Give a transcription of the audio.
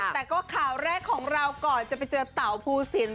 แต่ก็ข่าวแรกของเราก่อนจะไปเจอเต่าภูสิน